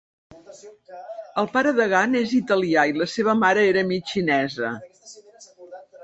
El pare de Gunn és italià i la seva mare era mig xinesa.